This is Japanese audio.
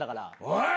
おい！